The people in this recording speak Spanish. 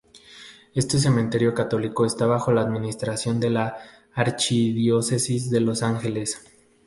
Este cementerio católico está bajo la administración de la archidiócesis de Los Ángeles.